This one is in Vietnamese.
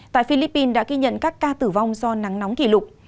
tại philippines đã ghi nhận các ca tử vong do nắng nóng kỷ lục